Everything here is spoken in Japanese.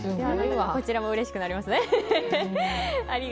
こちらもうれしくなりますね。